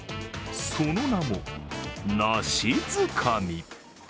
その名も、梨づかみ。